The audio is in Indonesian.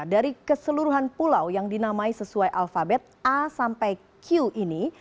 dari keseluruhan pulau yang dinamai sesuai alfabet a sampai q ini